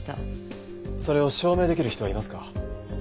それを証明できる人はいますか？